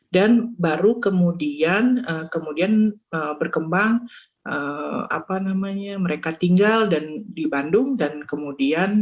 dan baru kemudian kemudian berkembang apa namanya mereka tinggal dan di bandung dan kemudian